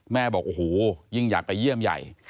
บอกโอ้โหยิ่งอยากไปเยี่ยมใหญ่